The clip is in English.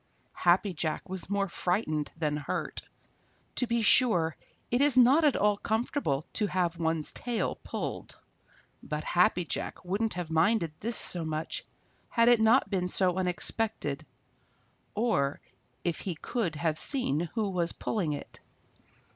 Happy Jack was more frightened than hurt. To be sure, it is not at all comfortable to have one's tail pulled, but Happy Jack wouldn't have minded this so much had it not been so unexpected, or if he could have seen who was pulling it.